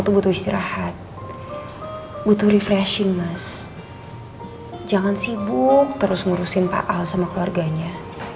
butuh istirahat butuh refreshing mas jangan sibuk terus ngurusin pak al sama keluarganya